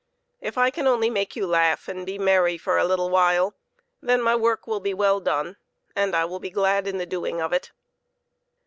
If I can only make you laugh and be merry for a little while, then my work will be well done, and I will be glad in the doing of it.